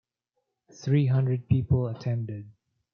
Three hundred people attended.